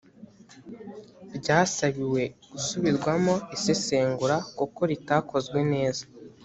ryasabiwe gusubirwamo isesengura kuko ritakozwe neza